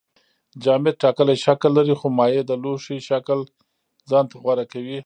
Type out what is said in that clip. جامد ټاکلی شکل لري خو مایع د لوښي شکل ځان ته غوره کوي